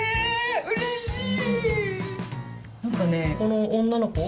うれしい！